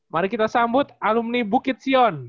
mari kita sambut alumni bukit sion